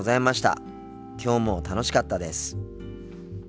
きょうも楽しかったです。